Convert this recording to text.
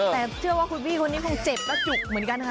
แต่เชื่อว่าคุณพี่คนนี้คงเจ็บและจุกเหมือนกันค่ะ